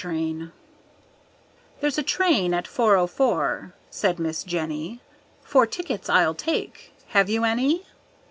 04 Train "There's a train at 4.04," said Miss Jenny; "Four tickets I'll take. Have you any?"